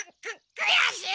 くやしい！